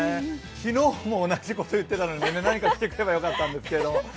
昨日も同じこと言ってたので何か着てくればよかったんですが。